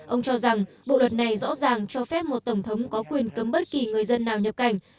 ông cho rằng bộ luật này rõ ràng cho phép một tổng thống có quyền cấm bất kỳ người dân nào nhập cảnh